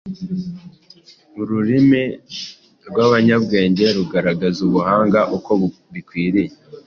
Ururimi rw’abanyabwenge rugaragaza ubuhanga uko bikwiriye.